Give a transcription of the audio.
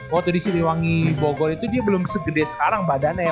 waktu di siliwangi bogor itu dia belum segede sekarang badannya ya